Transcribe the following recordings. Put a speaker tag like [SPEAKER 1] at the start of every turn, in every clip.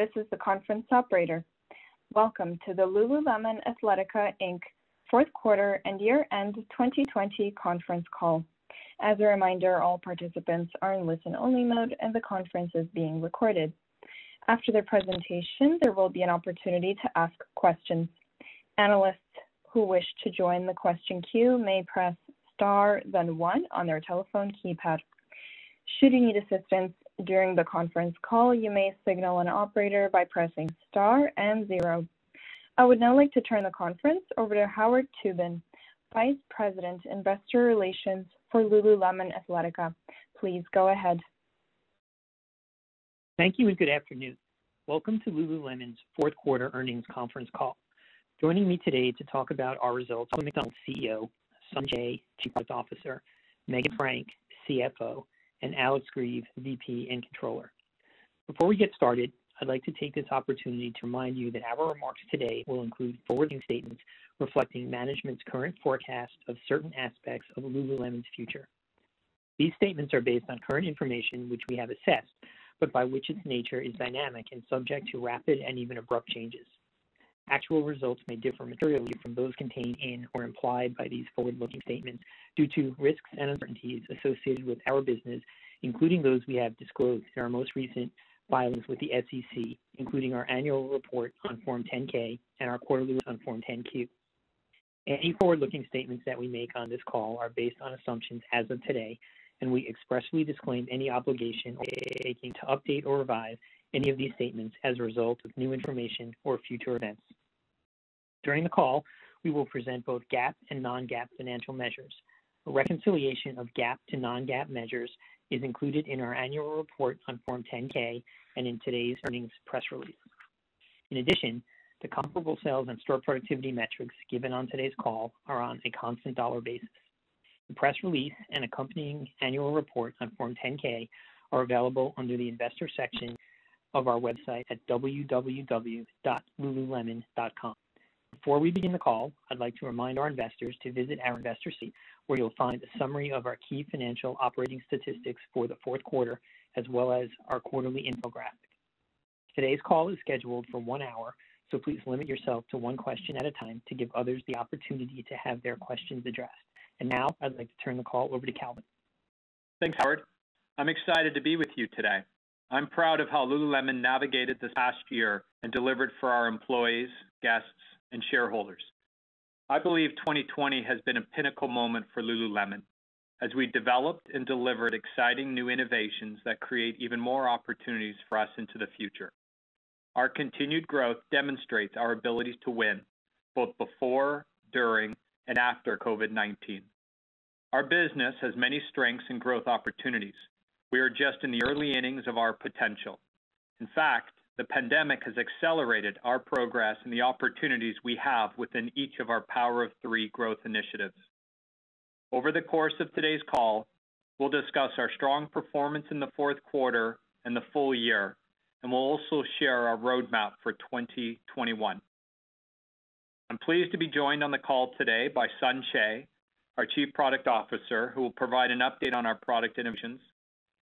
[SPEAKER 1] This is the conference operator. Welcome to the Lululemon Athletica Inc. Fourth Quarter and Year End 2020 Conference Call. As a reminder, all participants are in listen-only mode, and the conference is being recorded. After the presentation, there will be an opportunity to ask questions. I would now like to turn the conference over to Howard Tubin, Vice President, Investor Relations for Lululemon Athletica. Please go ahead.
[SPEAKER 2] Thank you, and good afternoon. Welcome to Lululemon's fourth quarter earnings conference call. Joining me today to talk about our results are Calvin McDonald, CEO, Sun Choe, Chief Product Officer, Meghan Frank, CFO, and Alex Grieve, VP and Controller. Before we get started, I'd like to take this opportunity to remind you that our remarks today will include forward-looking statements reflecting management's current forecast of certain aspects of Lululemon's future. These statements are based on current information, which we have assessed, but by which its nature is dynamic and subject to rapid and even abrupt changes. Actual results may differ materially from those contained in or implied by these forward-looking statements due to risks and uncertainties associated with our business, including those we have disclosed in our most recent filings with the SEC, including our annual report on Form 10-K and our quarterly on Form 10-Q. Any forward-looking statements that we make on this call are based on assumptions as of today, and we expressly disclaim any obligation or undertaking to update or revise any of these statements as a result of new information or future events. During the call, we will present both GAAP and non-GAAP financial measures. A reconciliation of GAAP to non-GAAP measures is included in our annual report on Form 10-K and in today's earnings press release. In addition, the comparable sales and store productivity metrics given on today's call are on a constant dollar basis. The press release and accompanying annual report on Form 10-K are available under the investor section of our website at www.lululemon.com. Before we begin the call, I'd like to remind our investors to visit our investor site, where you'll find a summary of our key financial operating statistics for the fourth quarter, as well as our quarterly infographic. Today's call is scheduled for one hour, so please limit yourself to one question at a time to give others the opportunity to have their questions addressed. Now I'd like to turn the call over to Calvin.
[SPEAKER 3] Thanks, Howard. I'm excited to be with you today. I'm proud of how Lululemon navigated this past year and delivered for our employees, guests, and shareholders. I believe 2020 has been a pinnacle moment for Lululemon as we developed and delivered exciting new innovations that create even more opportunities for us into the future. Our continued growth demonstrates our ability to win both before, during, and after COVID-19. Our business has many strengths and growth opportunities. We are just in the early innings of our potential. In fact, the pandemic has accelerated our progress and the opportunities we have within each of our Power of Three growth initiatives. Over the course of today's call, we'll discuss our strong performance in the fourth quarter and the full year, and we'll also share our roadmap for 2021. I'm pleased to be joined on the call today by Sun Choe, our Chief Product Officer, who will provide an update on our product innovations.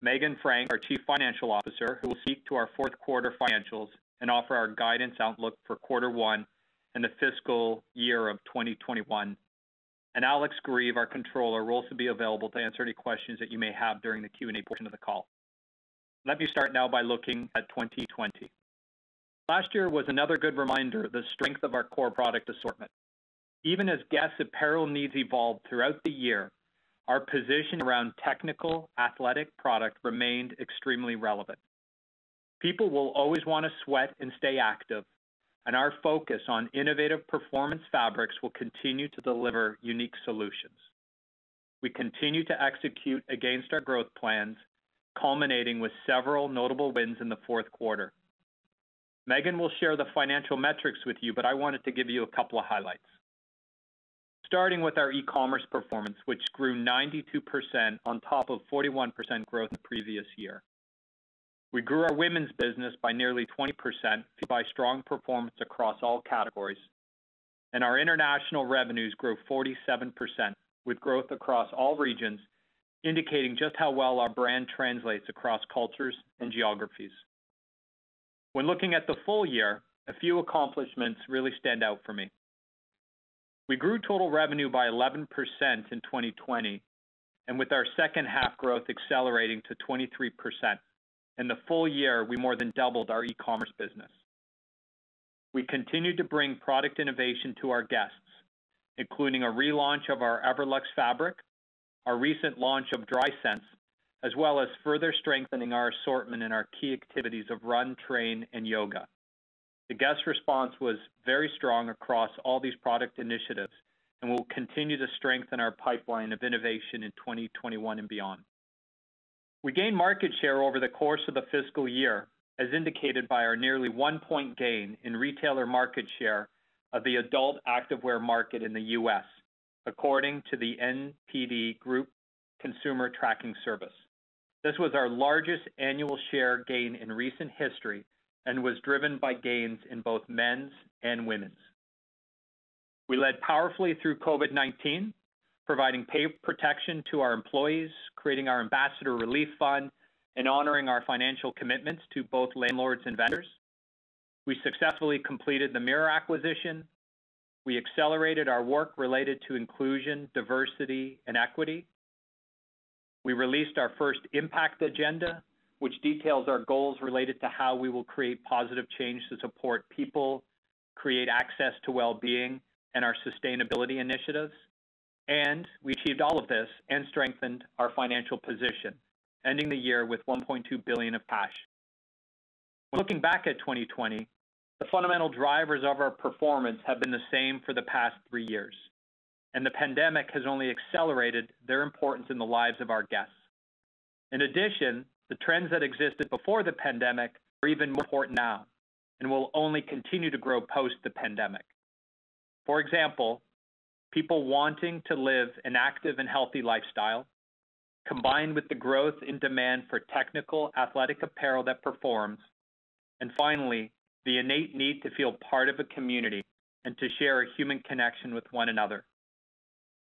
[SPEAKER 3] Meghan Frank, our Chief Financial Officer, who will speak to our fourth-quarter financials and offer our guidance outlook for quarter one and the fiscal year of 2021. Alex Grieve, our Controller, will also be available to answer any questions that you may have during the Q&A portion of the call. Let me start now by looking at 2020. Last year was another good reminder of the strength of our core product assortment. Even as guests' apparel needs evolved throughout the year, our position around technical athletic product remained extremely relevant. People will always want to sweat and stay active, and our focus on innovative performance fabrics will continue to deliver unique solutions. We continue to execute against our growth plans, culminating with several notable wins in the fourth quarter. Meghan will share the financial metrics with you. I wanted to give you a couple of highlights. Starting with our e-commerce performance, which grew 92% on top of 41% growth the previous year. We grew our women's business by nearly 20% by strong performance across all categories. Our international revenues grew 47% with growth across all regions, indicating just how well our brand translates across cultures and geographies. When looking at the full year, a few accomplishments really stand out for me. We grew total revenue by 11% in 2020. With our second-half growth accelerating to 23%. In the full year, we more than doubled our e-commerce business. We continued to bring product innovation to our guests, including a relaunch of our Everlux fabric, our recent launch of Drysense, as well as further strengthening our assortment in our key activities of run, train, and yoga. The guest response was very strong across all these product initiatives, we'll continue to strengthen our pipeline of innovation in 2021 and beyond. We gained market share over the course of the fiscal year, as indicated by our nearly one-point gain in retailer market share of the adult activewear market in the U.S., according to the NPD Group Consumer Tracking Service. This was our largest annual share gain in recent history and was driven by gains in both men's and women's. We led powerfully through COVID-19, providing paid protection to our employees, creating our Ambassador Relief Fund, and honoring our financial commitments to both landlords and vendors. We successfully completed the Mirror acquisition. We accelerated our work related to inclusion, diversity, and equity. We released our first impact agenda, which details our goals related to how we will create positive change to support people, create access to wellbeing, and our sustainability initiatives. We achieved all of this and strengthened our financial position, ending the year with $1.2 billion of cash. When looking back at 2020, the fundamental drivers of our performance have been the same for the past three years, and the pandemic has only accelerated their importance in the lives of our guests. In addition, the trends that existed before the pandemic are even more important now and will only continue to grow post the pandemic. For example, people wanting to live an active and healthy lifestyle, combined with the growth in demand for technical athletic apparel that performs, and finally, the innate need to feel part of a community and to share a human connection with one another.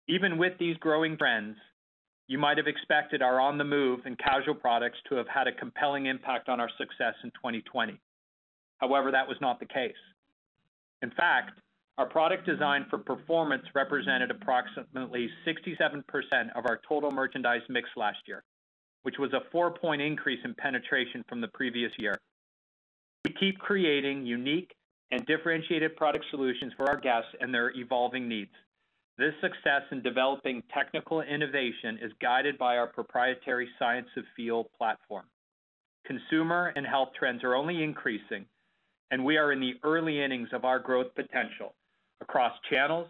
[SPEAKER 3] Even with these growing trends, you might have expected our on-the-move and casual products to have had a compelling impact on our success in 2020. However, that was not the case. In fact, our product design for performance represented approximately 67% of our total merchandise mix last year, which was a four-point increase in penetration from the previous year. We keep creating unique and differentiated product solutions for our guests and their evolving needs. This success in developing technical innovation is guided by our proprietary Science of Feel platform. Consumer and health trends are only increasing. We are in the early innings of our growth potential across channels,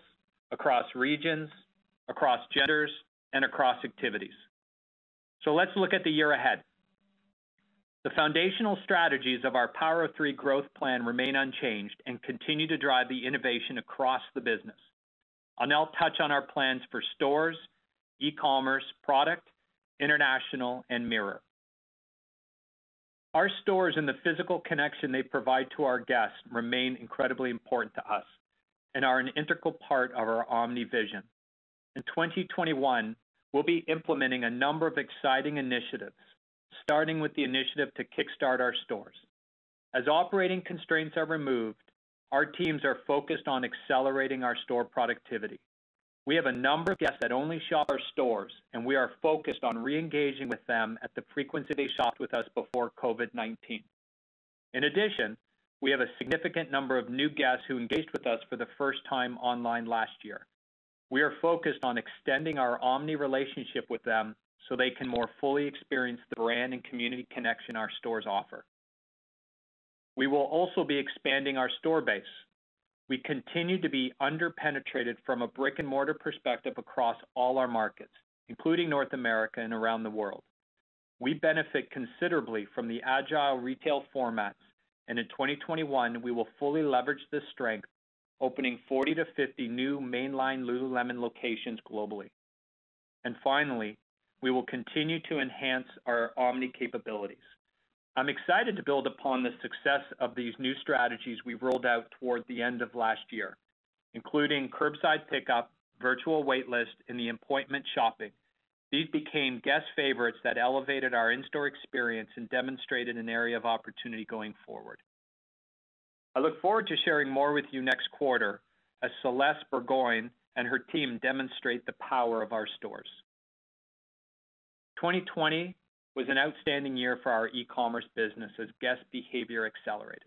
[SPEAKER 3] across regions, across genders, and across activities. Let's look at the year ahead. The foundational strategies of our Power of Three growth plan remain unchanged and continue to drive the innovation across the business. I'll now touch on our plans for stores, e-commerce, product, international, and Mirror. Our stores and the physical connection they provide to our guests remain incredibly important to us and are an integral part of our omni vision. In 2021, we'll be implementing a number of exciting initiatives, starting with the initiative to kickstart our stores. As operating constraints are removed, our teams are focused on accelerating our store productivity. We have a number of guests that only shop our stores, and we are focused on re-engaging with them at the frequency they shopped with us before COVID-19. In addition, we have a significant number of new guests who engaged with us for the first time online last year. We are focused on extending our omni relationship with them so they can more fully experience the brand and community connection our stores offer. We will also be expanding our store base. We continue to be under-penetrated from a brick-and-mortar perspective across all our markets, including North America and around the world. We benefit considerably from the agile retail formats, and in 2021, we will fully leverage this strength, opening 40 to 50 new mainline Lululemon locations globally. Finally, we will continue to enhance our omni capabilities. I'm excited to build upon the success of these new strategies we've rolled out toward the end of last year, including curbside pickup, virtual wait list, and the appointment shopping. These became guest favorites that elevated our in-store experience and demonstrated an area of opportunity going forward. I look forward to sharing more with you next quarter as Celeste Burgoyne and her team demonstrate the power of our stores. 2020 was an outstanding year for our e-commerce business as guest behavior accelerated.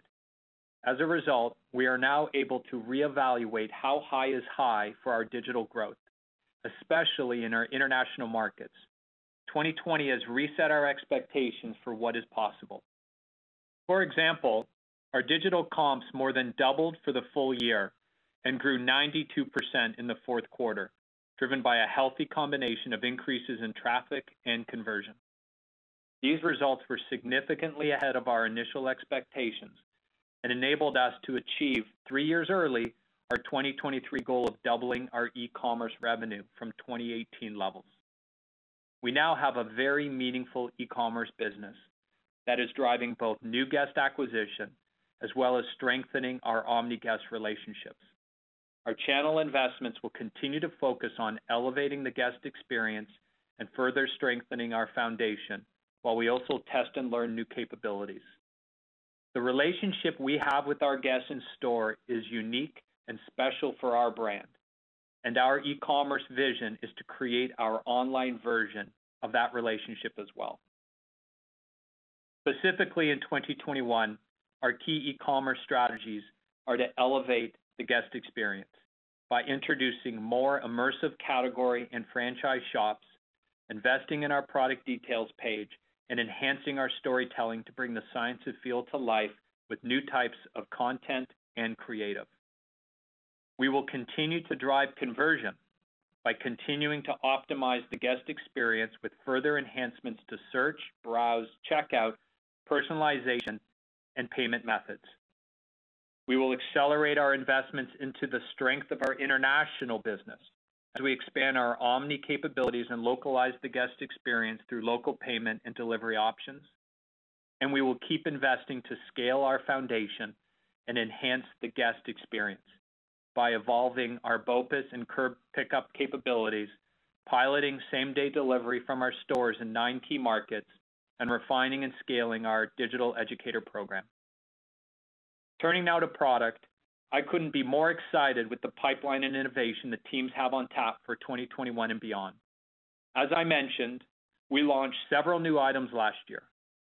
[SPEAKER 3] As a result, we are now able to reevaluate how high is high for our digital growth, especially in our international markets. 2020 has reset our expectations for what is possible. For example, our digital comps more than doubled for the full year and grew 92% in the fourth quarter, driven by a healthy combination of increases in traffic and conversion. These results were significantly ahead of our initial expectations and enabled us to achieve, three years early, our 2023 goal of doubling our e-commerce revenue from 2018 levels. We now have a very meaningful e-commerce business that is driving both new guest acquisition as well as strengthening our omni guest relationships. Our channel investments will continue to focus on elevating the guest experience and further strengthening our foundation while we also test and learn new capabilities. The relationship we have with our guests in store is unique and special for our brand, and our e-commerce vision is to create our online version of that relationship as well. Specifically in 2021, our key e-commerce strategies are to elevate the guest experience by introducing more immersive category and franchise shops, investing in our product details page, and enhancing our storytelling to bring the Science of Feel to life with new types of content and creative. We will continue to drive conversion by continuing to optimize the guest experience with further enhancements to search, browse, checkout, personalization, and payment methods. We will accelerate our investments into the strength of our international business as we expand our omni capabilities and localize the guest experience through local payment and delivery options. We will keep investing to scale our foundation and enhance the guest experience by evolving our BOPUS and curb pickup capabilities, piloting same-day delivery from our stores in nine key markets, and refining and scaling our digital educator program. Turning now to product, I couldn't be more excited with the pipeline and innovation the teams have on tap for 2021 and beyond. As I mentioned, we launched several new items last year.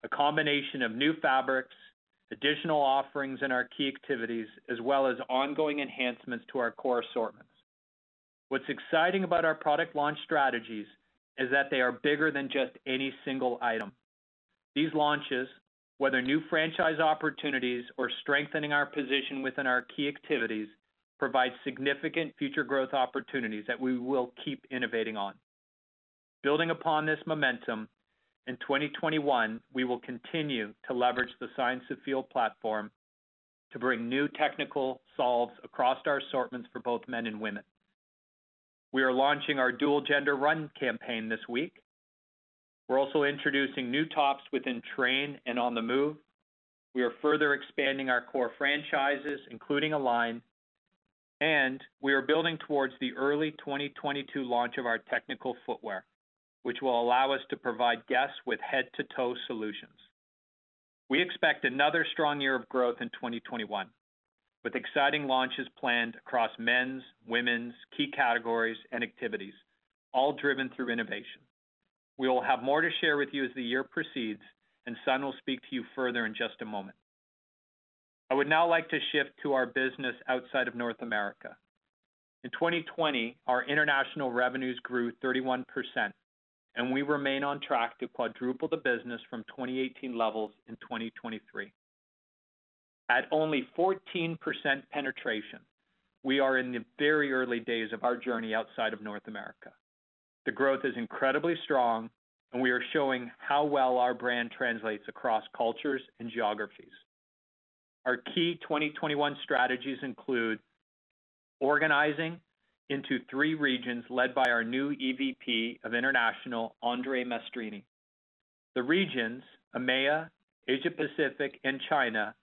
[SPEAKER 3] A combination of new fabrics, additional offerings in our key activities, as well as ongoing enhancements to our core assortments. What's exciting about our product launch strategies is that they are bigger than just any single item. These launches, whether new franchise opportunities or strengthening our position within our key activities, provide significant future growth opportunities that we will keep innovating on. Building upon this momentum, in 2021, we will continue to leverage the Science of Feel platform to bring new technical solves across our assortments for both men and women. We are launching our dual-gender run campaign this week. We're also introducing new tops within train and on the move. We are further expanding our core franchises, including Align, we are building towards the early 2022 launch of our technical footwear, which will allow us to provide guests with head-to-toe solutions. We expect another strong year of growth in 2021, with exciting launches planned across men's, women's, key categories and activities, all driven through innovation. We will have more to share with you as the year proceeds, Sun will speak to you further in just a moment. I would now like to shift to our business outside of North America. In 2020, our international revenues grew 31%, we remain on track to quadruple the business from 2018 levels in 2023. At only 14% penetration, we are in the very early days of our journey outside of North America. The growth is incredibly strong, we are showing how well our brand translates across cultures and geographies. Our key 2021 strategies include organizing into three regions led by our new EVP of International, André Maestrini. The regions, EMEA, Asia Pacific, and China,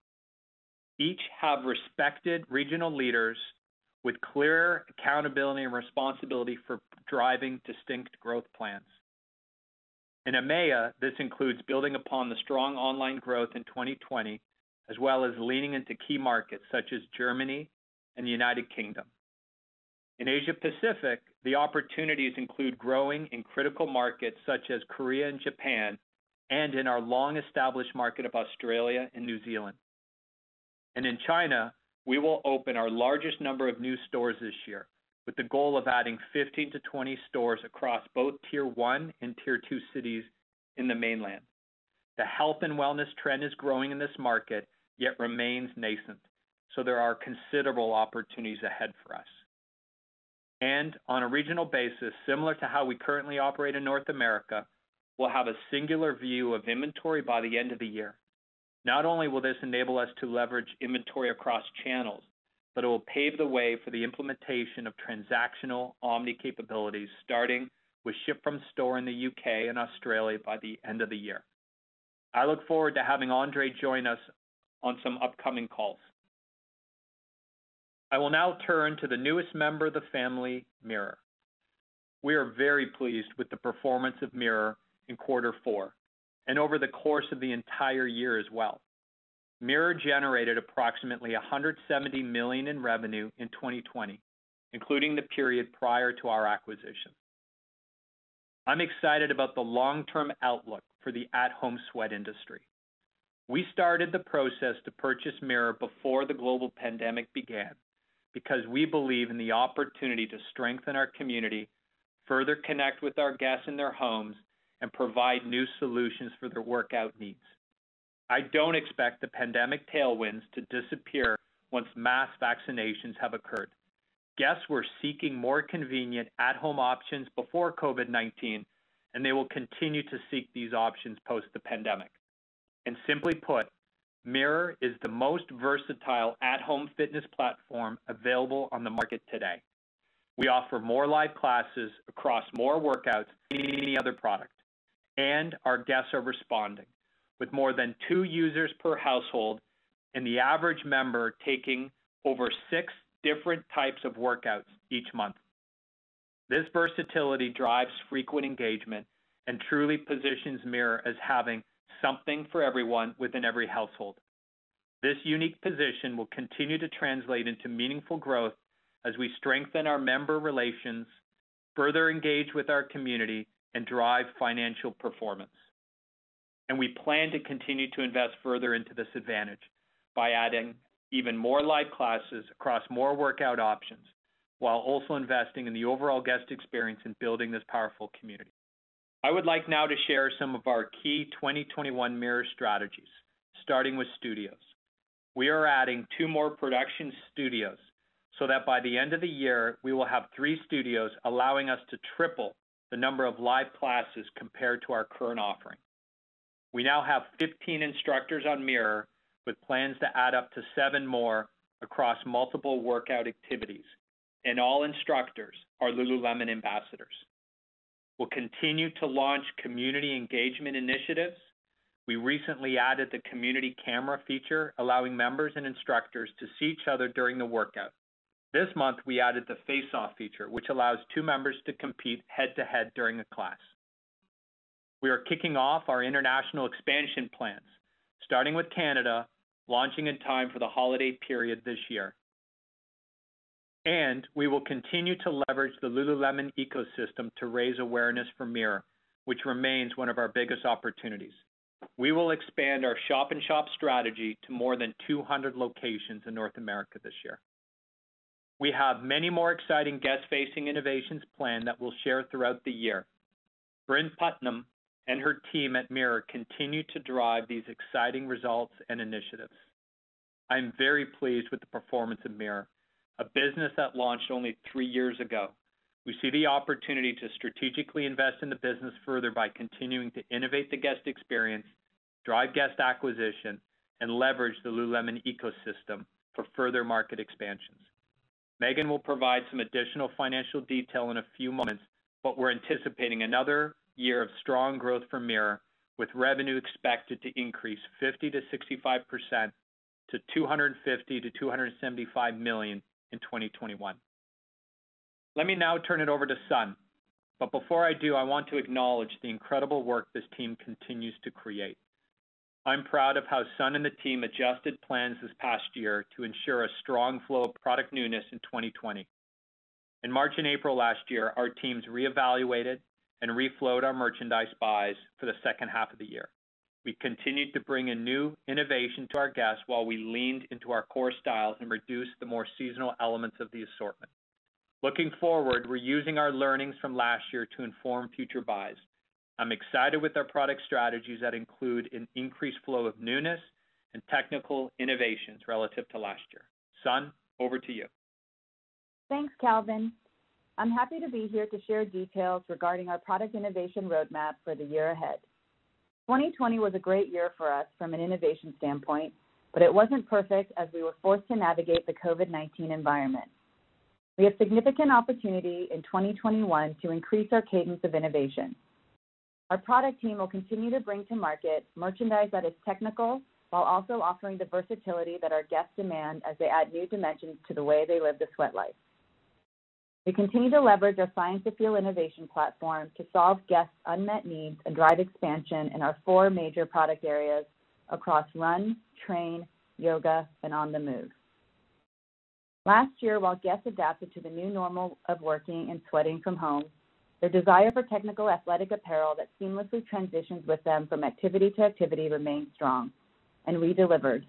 [SPEAKER 3] each have respected regional leaders with clear accountability and responsibility for driving distinct growth plans. In EMEA, this includes building upon the strong online growth in 2020, as well as leaning into key markets such as Germany and the United Kingdom. In Asia Pacific, the opportunities include growing in critical markets such as Korea and Japan, and in our long-established market of Australia and New Zealand. In China, we will open our largest number of new stores this year with the goal of adding 15-20 stores across both Tier I and Tier II cities in the Mainland. The health and wellness trend is growing in this market, yet remains nascent, so there are considerable opportunities ahead for us. On a regional basis, similar to how we currently operate in North America, we'll have a singular view of inventory by the end of the year. Not only will this enable us to leverage inventory across channels, but it will pave the way for the implementation of transactional omni capabilities, starting with ship from store in the U.K. and Australia by the end of the year. I look forward to having André join us on some upcoming calls. I will now turn to the newest member of the family, Mirror. We are very pleased with the performance of Mirror in quarter four and over the course of the entire year as well. Mirror generated approximately $170 million in revenue in 2020, including the period prior to our acquisition. I'm excited about the long-term outlook for the at-home sweat industry. We started the process to purchase Mirror before the global pandemic began because we believe in the opportunity to strengthen our community, further connect with our guests in their homes, and provide new solutions for their workout needs. I don't expect the pandemic tailwinds to disappear once mass vaccinations have occurred. Guests were seeking more convenient at-home options before COVID-19, and they will continue to seek these options post the pandemic. Simply put, Mirror is the most versatile at-home fitness platform available on the market today. We offer more live classes across more workouts than any other product, and our guests are responding with more than two users per household and the average member taking over six different types of workouts each month. This versatility drives frequent engagement and truly positions Mirror as having something for everyone within every household. This unique position will continue to translate into meaningful growth as we strengthen our member relations, further engage with our community, and drive financial performance. We plan to continue to invest further into this advantage by adding even more live classes across more workout options, while also investing in the overall guest experience in building this powerful community. I would like now to share some of our key 2021 Mirror strategies, starting with studios. We are adding two more production studios so that by the end of the year, we will have three studios, allowing us to triple the number of live classes compared to our current offering. We now have 15 instructors on Mirror, with plans to add up to seven more across multiple workout activities. All instructors are Lululemon ambassadors. We'll continue to launch community engagement initiatives. We recently added the community camera feature, allowing members and instructors to see each other during the workout. This month, we added the face-off feature, which allows two members to compete head-to-head during a class. We are kicking off our international expansion plans, starting with Canada, launching in time for the holiday period this year. We will continue to leverage the Lululemon ecosystem to raise awareness for Mirror, which remains one of our biggest opportunities. We will expand our shop-in-shop strategy to more than 200 locations in North America this year. We have many more exciting guest-facing innovations planned that we'll share throughout the year. Brynn Putnam and her team at Mirror continue to drive these exciting results and initiatives. I'm very pleased with the performance of Mirror, a business that launched only three years ago. We see the opportunity to strategically invest in the business further by continuing to innovate the guest experience, drive guest acquisition, and leverage the Lululemon ecosystem for further market expansions. Meghan will provide some additional financial detail in a few moments, but we're anticipating another year of strong growth for Mirror, with revenue expected to increase 50%-65%, to $250 million-$275 million in 2021. Let me now turn it over to Sun. Before I do, I want to acknowledge the incredible work this team continues to create. I'm proud of how Sun and the team adjusted plans this past year to ensure a strong flow of product newness in 2020. In March and April last year, our teams reevaluated and reflowed our merchandise buys for the second half of the year. We continued to bring a new innovation to our guests while we leaned into our core styles and reduced the more seasonal elements of the assortment. Looking forward, we're using our learnings from last year to inform future buys. I'm excited with our product strategies that include an increased flow of newness and technical innovations relative to last year. Sun, over to you.
[SPEAKER 4] Thanks, Calvin. I'm happy to be here to share details regarding our product innovation roadmap for the year ahead. 2020 was a great year for us from an innovation standpoint, but it wasn't perfect as we were forced to navigate the COVID-19 environment. We have significant opportunity in 2021 to increase our cadence of innovation. Our product team will continue to bring to market merchandise that is technical while also offering the versatility that our guests demand as they add new dimensions to the way they live the sweat life. We continue to leverage our Science of Feel innovation platform to solve guests' unmet needs and drive expansion in our four major product areas across run, train, yoga, and on the move. Last year, while guests adapted to the new normal of working and sweating from home, their desire for technical athletic apparel that seamlessly transitions with them from activity to activity remained strong, and we delivered.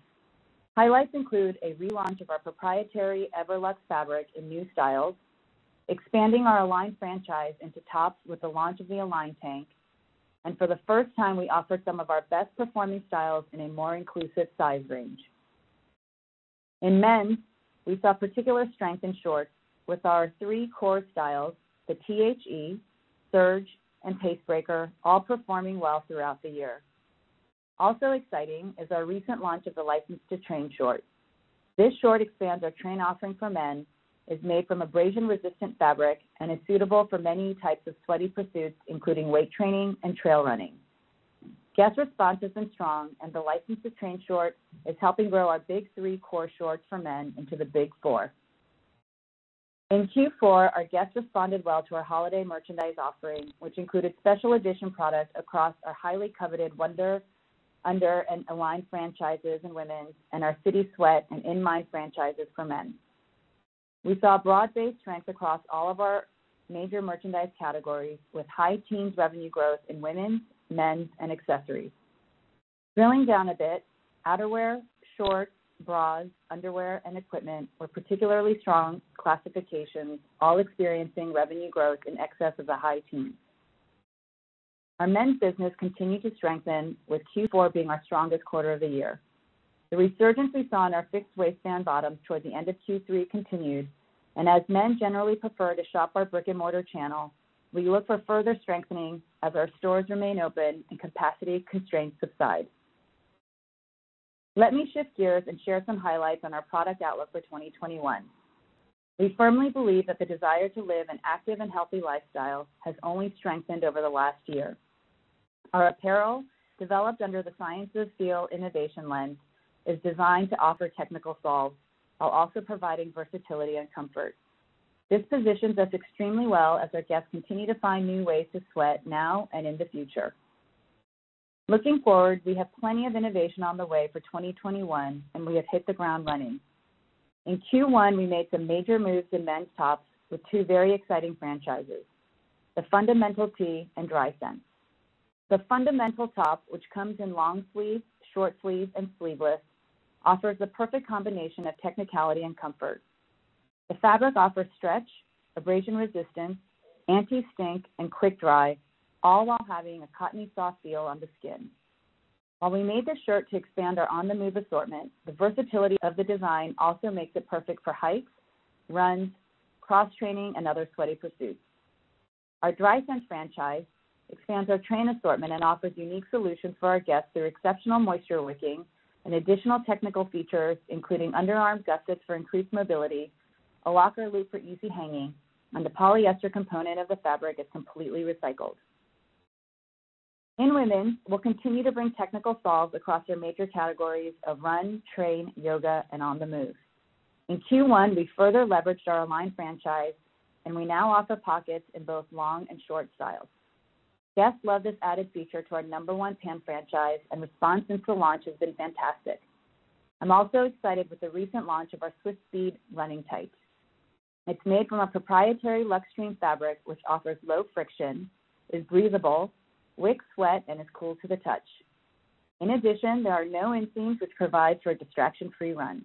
[SPEAKER 4] Highlights include a relaunch of our proprietary Everlux fabric in new styles, expanding our Align franchise into tops with the launch of the Align Tank, and for the first time, we offered some of our best-performing styles in a more inclusive size range. In men's, we saw particular strength in shorts with our three core styles, the T.H.E., Surge, and Pace Breaker all performing well throughout the year. Also exciting is our recent launch of the License to Train Short. This short expands our train offering for men, is made from abrasion-resistant fabric, and is suitable for many types of sweaty pursuits, including weight training and trail running. Guests' response has been strong, and the License to Train Short is helping grow our big three core shorts for men into the big four. In Q4, our guests responded well to our holiday merchandise offering, which included special edition products across our highly coveted Wunder Under and Align franchises in women's and our City Sweat and In Mind franchises for men. We saw broad-based strengths across all of our major merchandise categories, with high teens revenue growth in women's, men's, and accessories. Drilling down a bit, outerwear, shorts, bras, underwear, and equipment were particularly strong classifications, all experiencing revenue growth in excess of the high teens. Our men's business continued to strengthen, with Q4 being our strongest quarter of the year. The resurgence we saw in our fixed waistband bottoms towards the end of Q3 continued. As men generally prefer to shop our brick-and-mortar channel, we look for further strengthening as our stores remain open and capacity constraints subside. Let me shift gears and share some highlights on our product outlook for 2021. We firmly believe that the desire to live an active and healthy lifestyle has only strengthened over the last year. Our apparel, developed under the Science of Feel innovation lens, is designed to offer technical solves while also providing versatility and comfort. This positions us extremely well as our guests continue to find new ways to sweat now and in the future. Looking forward, we have plenty of innovation on the way for 2021. We have hit the ground running. In Q1, we made some major moves in men's tops with two very exciting franchises, the Fundamental Tee and Drysense. The Fundamental top, which comes in long sleeve, short sleeve, and sleeveless, offers the perfect combination of technicality and comfort. The fabric offers stretch, abrasion resistance, anti-stink, and quick dry, all while having a cottony soft feel on the skin. While we made this shirt to expand our on the move assortment, the versatility of the design also makes it perfect for hikes, runs, cross-training, and other sweaty pursuits. Our Drysense franchise expands our train assortment and offers unique solutions for our guests through exceptional moisture wicking and additional technical features, including underarm gussets for increased mobility, a locker loop for easy hanging, and the polyester component of the fabric is completely recycled. In women's, we'll continue to bring technical solves across our major categories of run, train, yoga, and on the move. In Q1, we further leveraged our Align franchise, and we now offer pockets in both long and short styles. Guests love this added feature to our number one pant franchise, and response since the launch has been fantastic. I'm also excited with the recent launch of our Swift Speed running tights. It's made from a proprietary Luxtreme fabric, which offers low friction, is breathable, wicks sweat, and is cool to the touch. In addition, there are no inseams, which provides for a distraction-free run.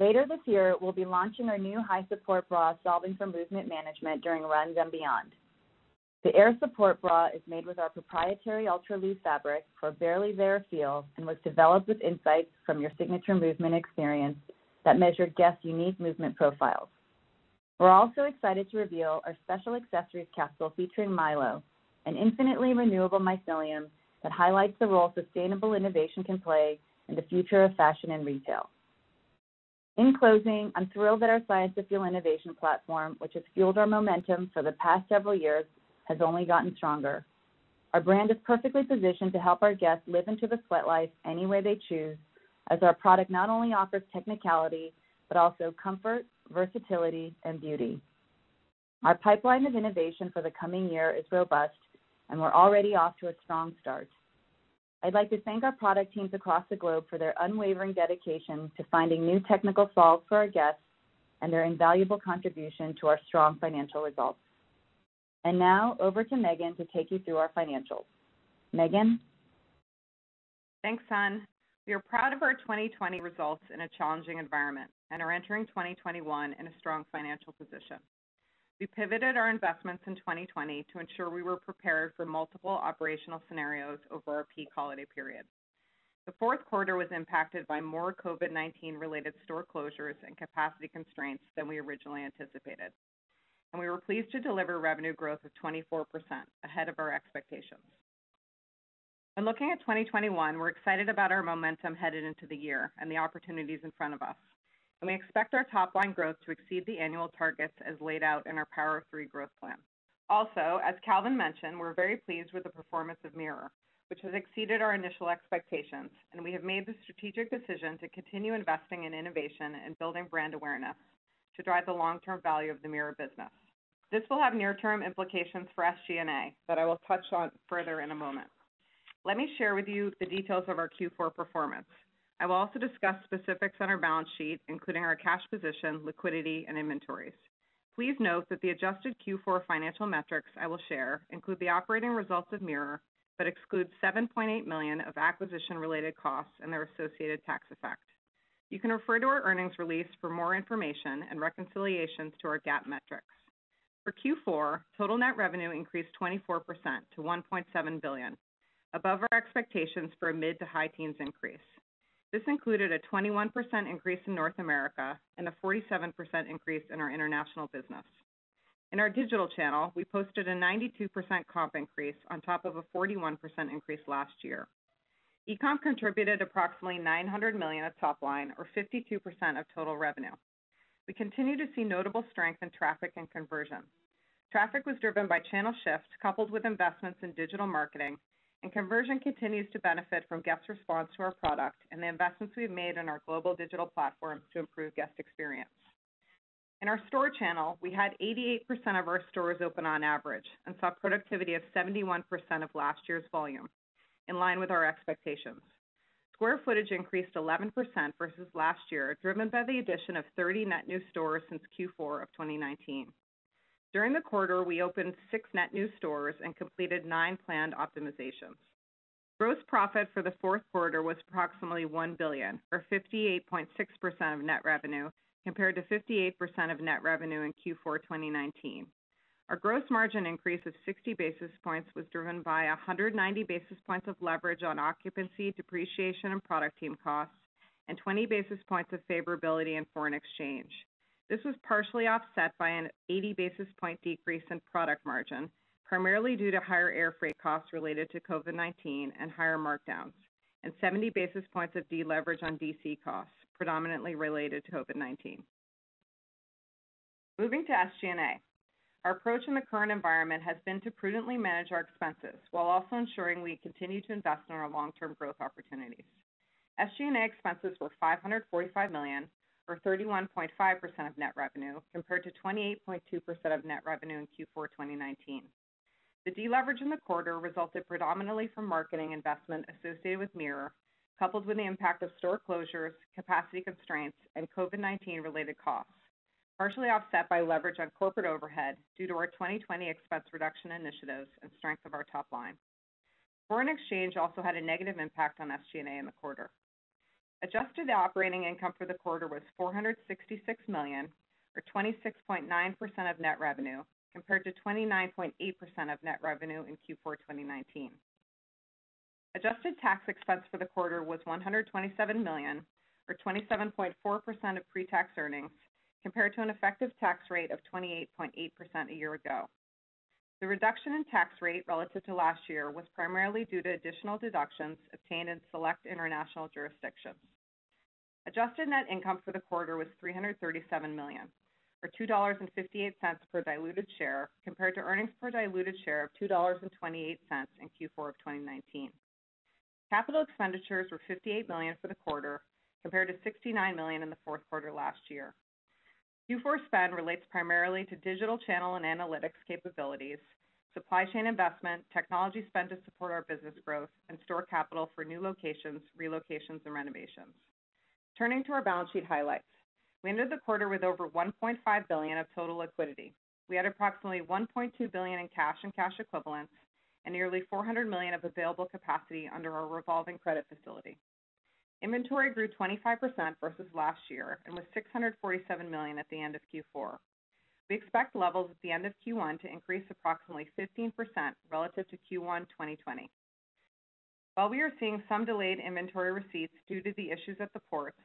[SPEAKER 4] Later this year, we'll be launching our new high-support bra, solving for movement management during runs and beyond. The AirSupport bra is made with our proprietary Ultralu fabric for a barely-there feel and was developed with insights from your Signature Movement experience that measured guests' unique movement profiles. We're also excited to reveal our special accessories capsule featuring Mylo, an infinitely renewable mycelium that highlights the role sustainable innovation can play in the future of fashion and retail. In closing, I'm thrilled that our Science of Feel innovation platform, which has fueled our momentum for the past several years, has only gotten stronger. Our brand is perfectly positioned to help our guests live into the sweat life any way they choose, as our product not only offers technicality, but also comfort, versatility, and beauty. Our pipeline of innovation for the coming year is robust, and we're already off to a strong start. I'd like to thank our product teams across the globe for their unwavering dedication to finding new technical solves for our guests and their invaluable contribution to our strong financial results. Now, over to Meghan to take you through our financials. Meghan?
[SPEAKER 5] Thanks, Sun. We are proud of our 2020 results in a challenging environment and are entering 2021 in a strong financial position. We pivoted our investments in 2020 to ensure we were prepared for multiple operational scenarios over our peak holiday period. The fourth quarter was impacted by more COVID-19 related store closures and capacity constraints than we originally anticipated. We were pleased to deliver revenue growth of 24%, ahead of our expectations. In looking at 2021, we're excited about our momentum headed into the year and the opportunities in front of us, and we expect our top-line growth to exceed the annual targets as laid out in our Power of Three growth plan. As Calvin mentioned, we're very pleased with the performance of Mirror, which has exceeded our initial expectations. We have made the strategic decision to continue investing in innovation and building brand awareness to drive the long-term value of the Mirror business. This will have near-term implications for SG&A that I will touch on further in a moment. Let me share with you the details of our Q4 performance. I will also discuss specifics on our balance sheet, including our cash position, liquidity, and inventories. Please note that the adjusted Q4 financial metrics I will share include the operating results of Mirror but excludes $7.8 million of acquisition-related costs and their associated tax effect. You can refer to our earnings release for more information and reconciliations to our GAAP metrics. For Q4, total net revenue increased 24% to $1.7 billion, above our expectations for a mid to high teens increase. This included a 21% increase in North America and a 47% increase in our international business. In our digital channel, we posted a 92% comp increase on top of a 41% increase last year. e-com contributed approximately $900 million of top line or 52% of total revenue. We continue to see notable strength in traffic and conversion. Traffic was driven by channel shifts coupled with investments in digital marketing, and conversion continues to benefit from guests' response to our product and the investments we've made in our global digital platform to improve guest experience. In our store channel, we had 88% of our stores open on average and saw productivity of 71% of last year's volume, in line with our expectations. Square footage increased 11% versus last year, driven by the addition of 30 net new stores since Q4 of 2019. During the quarter, we opened six net new stores and completed nine planned optimizations. Gross profit for the fourth quarter was approximately $1 billion, or 58.6% of net revenue, compared to 58% of net revenue in Q4 2019. Our gross margin increase of 60 basis points was driven by 190 basis points of leverage on occupancy, depreciation, and product team costs, and 20 basis points of favorability in foreign exchange. This was partially offset by an 80 basis point decrease in product margin, primarily due to higher air freight costs related to COVID-19 and higher markdowns, and 70 basis points of deleverage on DC costs, predominantly related to COVID-19. Moving to SG&A. Our approach in the current environment has been to prudently manage our expenses while also ensuring we continue to invest in our long-term growth opportunities. SG&A expenses were $545 million or 31.5% of net revenue, compared to 28.2% of net revenue in Q4 2019. The deleverage in the quarter resulted predominantly from marketing investment associated with Mirror, coupled with the impact of store closures, capacity constraints, and COVID-19 related costs, partially offset by leverage on corporate overhead due to our 2020 expense reduction initiatives and strength of our top line. Foreign exchange also had a negative impact on SG&A in the quarter. Adjusted operating income for the quarter was $466 million or 26.9% of net revenue, compared to 29.8% of net revenue in Q4 2019. Adjusted tax expense for the quarter was $127 million or 27.4% of pre-tax earnings, compared to an effective tax rate of 28.8% a year ago. The reduction in tax rate relative to last year was primarily due to additional deductions obtained in select international jurisdictions. Adjusted net income for the quarter was $337 million, or $2.58 per diluted share, compared to earnings per diluted share of $2.28 in Q4 2019. Capital expenditures were $58 million for the quarter, compared to $69 million in the fourth quarter last year. Q4 spend relates primarily to digital channel and analytics capabilities, supply chain investment, technology spend to support our business growth, and store capital for new locations, relocations, and renovations. Turning to our balance sheet highlights. We ended the quarter with over $1.5 billion of total liquidity. We had approximately $1.2 billion in cash and cash equivalents, and nearly $400 million of available capacity under our revolving credit facility. Inventory grew 25% versus last year and was $647 million at the end of Q4. We expect levels at the end of Q1 to increase approximately 15% relative to Q1 2020. While we are seeing some delayed inventory receipts due to the issues at the ports,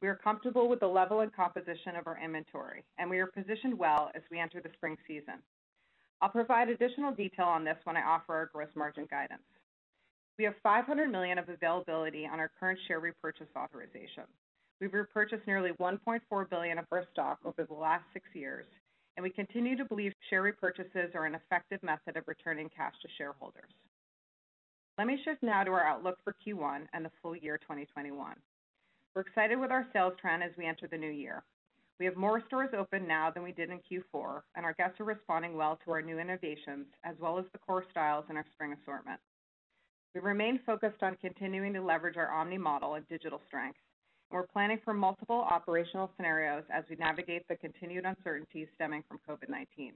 [SPEAKER 5] we are comfortable with the level and composition of our inventory, and we are positioned well as we enter the spring season. I'll provide additional detail on this when I offer our gross margin guidance. We have $500 million of availability on our current share repurchase authorization. We've repurchased nearly $1.4 billion of our stock over the last six years, and we continue to believe share repurchases are an effective method of returning cash to shareholders. Let me shift now to our outlook for Q1 and the full year 2021. We're excited with our sales trend as we enter the new year. We have more stores open now than we did in Q4, and our guests are responding well to our new innovations as well as the core styles in our spring assortment. We remain focused on continuing to leverage our omni model and digital strength, and we're planning for multiple operational scenarios as we navigate the continued uncertainty stemming from COVID-19.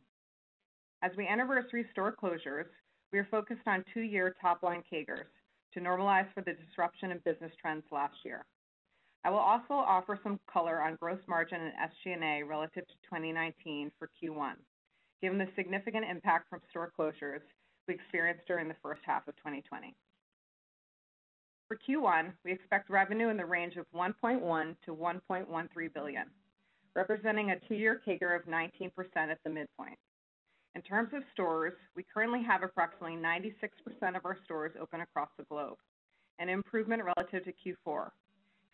[SPEAKER 5] As we anniversary store closures, we are focused on two-year top-line CAGRs to normalize for the disruption in business trends last year. I will also offer some color on gross margin and SG&A relative to 2019 for Q1, given the significant impact from store closures we experienced during the first half of 2020. For Q1, we expect revenue in the range of $1.1 billion-$1.13 billion, representing a 2-year CAGR of 19% at the midpoint. In terms of stores, we currently have approximately 96% of our stores open across the globe, an improvement relative to Q4.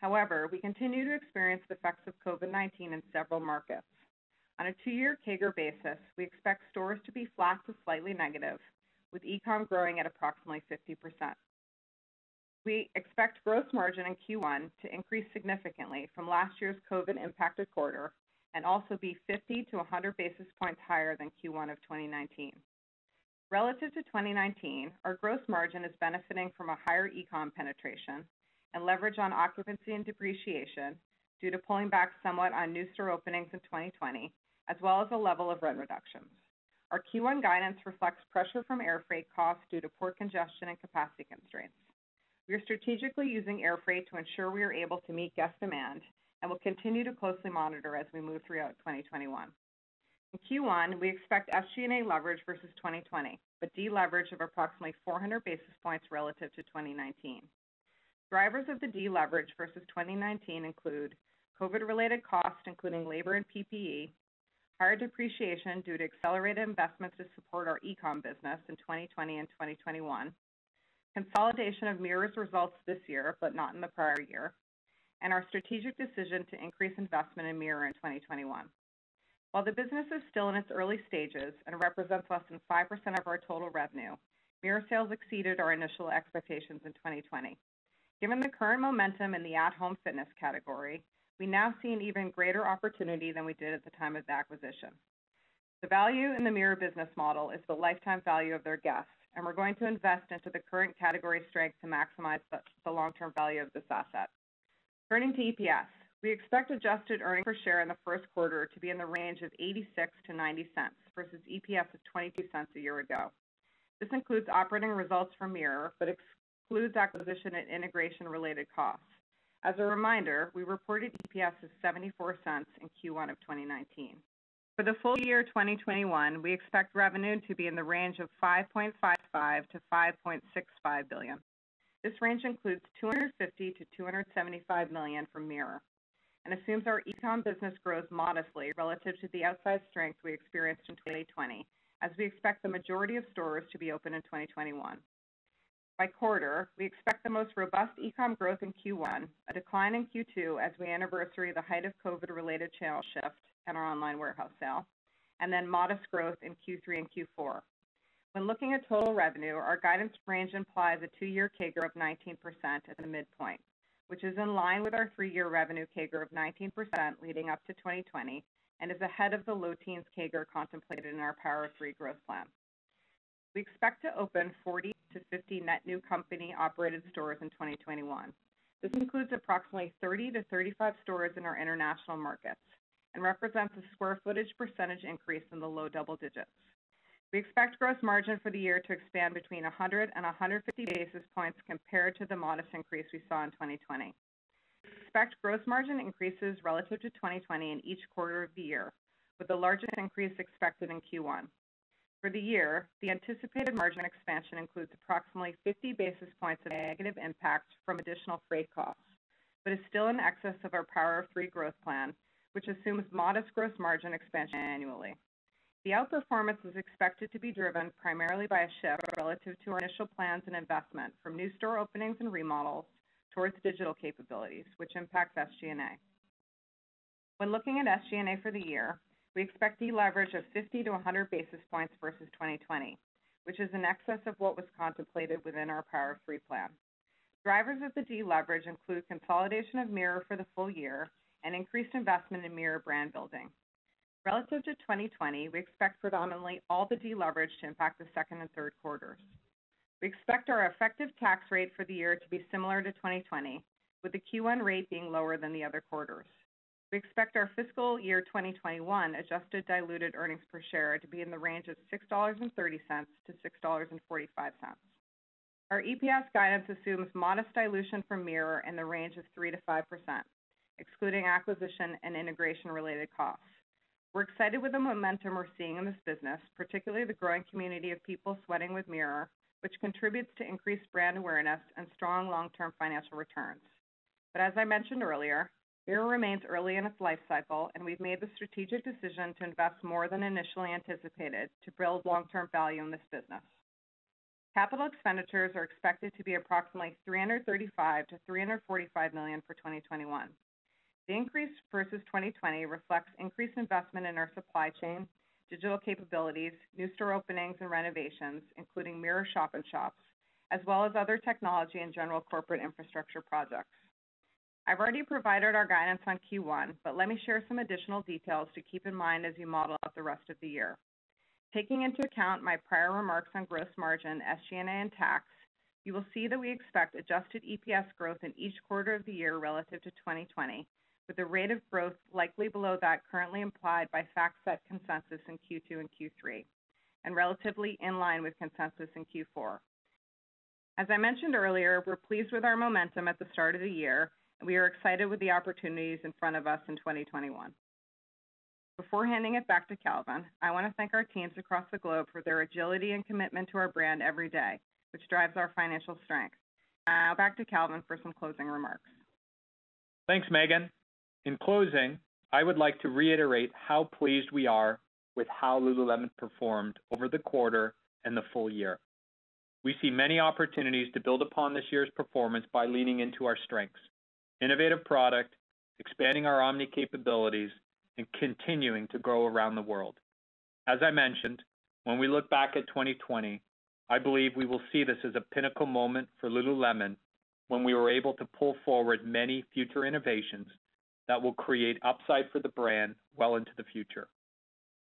[SPEAKER 5] However, we continue to experience the effects of COVID-19 in several markets. On a two-year CAGR basis, we expect stores to be flat to slightly negative, with e-com growing at approximately 50%. We expect gross margin in Q1 to increase significantly from last year's COVID-impacted quarter and also be 50-100 basis points higher than Q1 of 2019. Relative to 2019, our gross margin is benefiting from a higher e-com penetration and leverage on occupancy and depreciation due to pulling back somewhat on new store openings in 2020, as well as a level of rent reductions. Our Q1 guidance reflects pressure from airfreight costs due to port congestion and capacity constraints. We are strategically using airfreight to ensure we are able to meet guest demand and will continue to closely monitor as we move throughout 2021. In Q1, we expect SG&A leverage versus 2020. Deleverage of approximately 400 basis points relative to 2019. Drivers of the deleverage versus 2019 include COVID-related costs, including labor and PPE, higher depreciation due to accelerated investments to support our e-com business in 2020 and 2021. Consolidation of Mirror's results this year, but not in the prior year, and our strategic decision to increase investment in Mirror in 2021. While the business is still in its early stages and represents less than 5% of our total revenue, Mirror sales exceeded our initial expectations in 2020. Given the current momentum in the at-home fitness category, we now see an even greater opportunity than we did at the time of the acquisition. The value in the Mirror business model is the lifetime value of their guests, and we're going to invest into the current category strength to maximize the long-term value of this asset. Turning to EPS. We expect adjusted earnings per share in the first quarter to be in the range of $0.86-$0.90 versus EPS of $0.22 a year ago. This includes operating results from Mirror, but excludes acquisition and integration related costs. As a reminder, we reported EPS of $0.74 in Q1 of 2019. For the full year 2021, we expect revenue to be in the range of $5.55 billion-$5.65 billion. This range includes $250 million-$275 million from Mirror and assumes our e-com business grows modestly relative to the outsized strength we experienced in 2020, as we expect the majority of stores to be open in 2021. By quarter, we expect the most robust e-com growth in Q1, a decline in Q2 as we anniversary the height of COVID-related channel shift and our online warehouse sale, and then modest growth in Q3 and Q4. When looking at total revenue, our guidance range implies a two-year CAGR of 19% at the midpoint, which is in line with our three-year revenue CAGR of 19% leading up to 2020 and is ahead of the low teens CAGR contemplated in our Power of Three growth plan. We expect to open 40 to 50 net new company-operated stores in 2021. This includes approximately 30 to 35 stores in our international markets and represents a square footage percentage increase in the low double digits. We expect gross margin for the year to expand between 100 and 150 basis points compared to the modest increase we saw in 2020. We expect gross margin increases relative to 2020 in each quarter of the year, with the largest increase expected in Q1. For the year, the anticipated margin expansion includes approximately 50 basis points of negative impact from additional freight costs, but is still in excess of our Power of Three growth plan, which assumes modest gross margin expansion annually. The outperformance is expected to be driven primarily by a shift relative to our initial plans and investment from new store openings and remodels towards digital capabilities, which impacts SG&A. When looking at SG&A for the year, we expect deleverage of 50 to 100 basis points versus 2020, which is in excess of what was contemplated within our Power of Three plan. Drivers of the deleverage include consolidation of Mirror for the full year and increased investment in Mirror brand building. Relative to 2020, we expect predominantly all the deleverage to impact the second and third quarters. We expect our effective tax rate for the year to be similar to 2020, with the Q1 rate being lower than the other quarters. We expect our fiscal year 2021 adjusted diluted earnings per share to be in the range of $6.30-$6.45. Our EPS guidance assumes modest dilution from Mirror in the range of 3%-5%, excluding acquisition and integration related costs. We're excited with the momentum we're seeing in this business, particularly the growing community of people sweating with Mirror, which contributes to increased brand awareness and strong long-term financial returns. As I mentioned earlier, Mirror remains early in its life cycle, and we've made the strategic decision to invest more than initially anticipated to build long-term value in this business. Capital expenditures are expected to be approximately $335 million-$345 million for 2021. The increase versus 2020 reflects increased investment in our supply chain, digital capabilities, new store openings, and renovations, including Mirror shop-in-shops, as well as other technology and general corporate infrastructure projects. I've already provided our guidance on Q1. Let me share some additional details to keep in mind as you model out the rest of the year. Taking into account my prior remarks on gross margin, SG&A, and tax, you will see that we expect adjusted EPS growth in each quarter of the year relative to 2020, with the rate of growth likely below that currently implied by FactSet consensus in Q2 and Q3, and relatively in line with consensus in Q4. As I mentioned earlier, we're pleased with our momentum at the start of the year, and we are excited with the opportunities in front of us in 2021. Before handing it back to Calvin, I want to thank our teams across the globe for their agility and commitment to our brand every day, which drives our financial strength. Now back to Calvin for some closing remarks.
[SPEAKER 3] Thanks, Meghan. In closing, I would like to reiterate how pleased we are with how Lululemon performed over the quarter and the full year. We see many opportunities to build upon this year's performance by leaning into our strengths, innovative product, expanding our omni capabilities, and continuing to grow around the world. As I mentioned, when we look back at 2020, I believe we will see this as a pinnacle moment for Lululemon, when we were able to pull forward many future innovations that will create upside for the brand well into the future.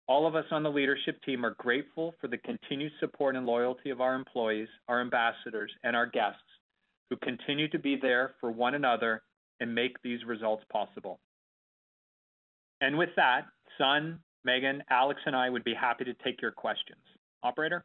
[SPEAKER 3] All of us on the leadership team are grateful for the continued support and loyalty of our employees, our ambassadors, and our guests, who continue to be there for one another and make these results possible. With that, Sun, Meghan, Alex, and I would be happy to take your questions. Operator?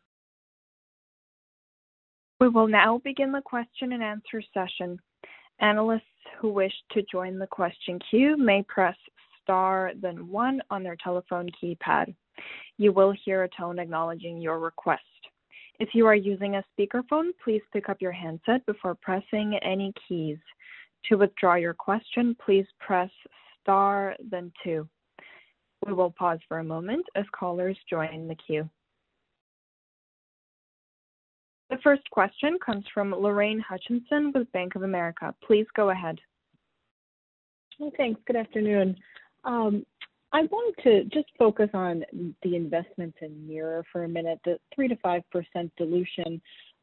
[SPEAKER 1] The first question comes from Lorraine Hutchinson with Bank of America. Please go ahead.
[SPEAKER 6] Okay, thanks. Good afternoon. I want to just focus on the investments in Mirror for one minute. The 3%-5% dilution,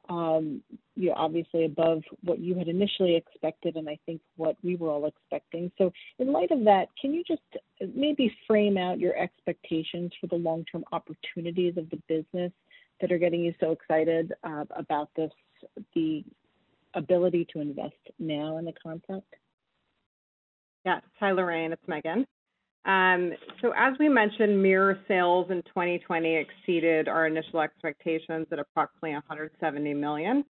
[SPEAKER 6] obviously above what you had initially expected and I think what we were all expecting. In light of that, can you just maybe frame out your expectations for the long-term opportunities of the business that are getting you so excited about this, the ability to invest now in the concept?
[SPEAKER 5] Hi, Lorraine, it's Meghan. As we mentioned, Mirror sales in 2020 exceeded our initial expectations at approximately $170 million.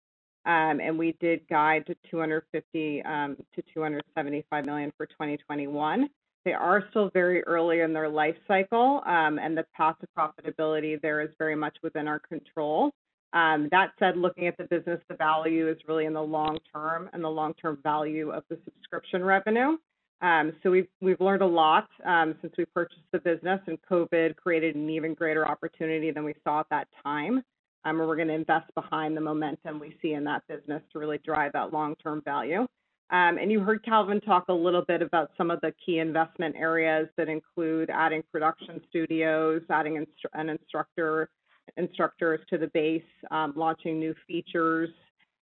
[SPEAKER 5] We did guide to $250 million-$275 million for 2021. They are still very early in their life cycle, and the path to profitability there is very much within our control. That said, looking at the business, the value is really in the long term and the long-term value of the subscription revenue. We've learned a lot since we purchased the business, and COVID created an even greater opportunity than we saw at that time, where we're gonna invest behind the momentum we see in that business to really drive that long-term value. You heard Calvin talk a little bit about some of the key investment areas that include adding production studios, adding instructors to the base, launching new features,